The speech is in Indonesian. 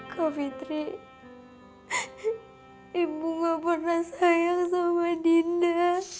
kau fitri ibu gak pernah sayang sama dinda